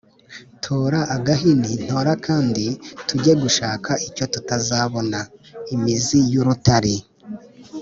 Tora agahini ntore akandi tujye gushaka icyo tutazabona.-Imizi y'urutare.